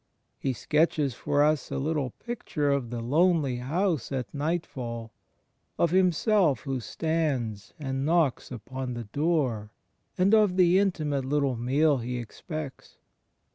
He sketches for us a littie picture of the lonely house at nightfall, of Himself who stands and knocks upon the door and of the intimate litUe meal He expects.